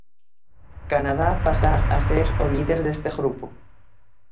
Canadá pasar a ser o líder deste grupo.